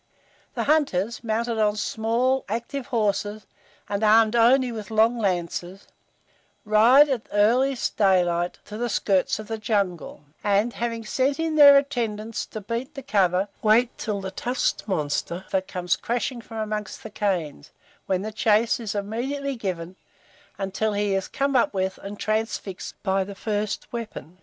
The hunters, mounted on small, active horses, and armed only with long lances, ride, at early daylight, to the skirts of the jungle, and having sent in their attendants to beat the cover, wait till the tusked monster comes crashing from among the canes, when chase is immediately given, till he is come up with, and transfixed by the first weapon.